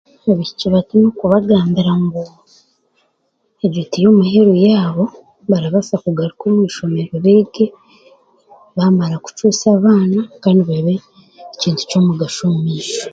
Abaishiki bato n'okubagambira ngu egyo tiyo muheru yaabo barabaasa kugaruka omu ishomero beege baamara kukyuusa abaana then babe ekintu kyomugasho omu maisho